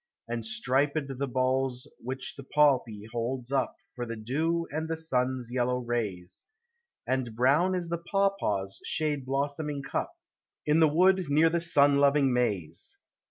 And striped the bolls which the poppy holds up For the dew, and the sun's yellow rays, 268 POEMS OF NATURE. And brown is the pawpaw's shade blossoming cup, In the wood, near the sun loving maize!